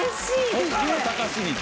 他が高すぎて。